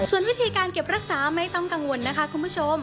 ส่วนวิธีการเก็บรักษาไม่ต้องกังวลนะคะคุณผู้ชม